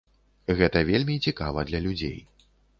Гэта вельмі цікава для людзей.